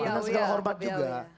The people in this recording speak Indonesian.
dengan segala hormat juga